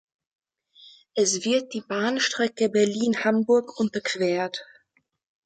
Es wird die Bahnstrecke Berlin–Hamburg unterquert.